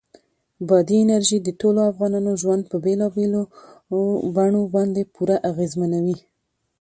بادي انرژي د ټولو افغانانو ژوند په بېلابېلو بڼو باندې پوره اغېزمنوي.